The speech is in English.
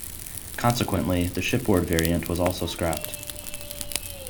Consequently, the shipboard variant was also scrapped.